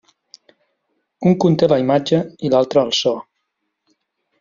Un conté la imatge i l'altre el so.